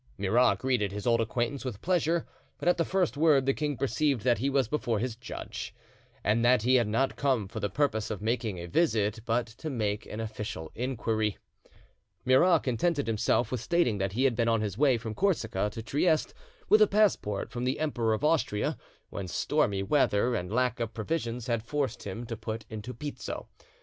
Murat greeted his old acquaintance with pleasure; but at the first word the king perceived that he was before his judge, and that he had not come for the purpose of making a visit, but to make an official inquiry. Murat contented himself with stating that he had been on his way from Corsica to Trieste with a passport from the Emperor of Austria when stormy weather and lack of provisions had forced him to put into Pizzo.